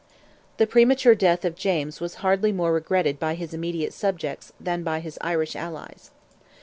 The premature death of James was hardly more regretted by his immediate subjects than by his Irish allies.